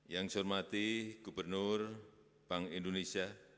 yang saya hormati gubernur bank indonesia